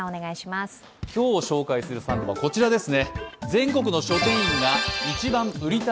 今日紹介する３コマはこちらです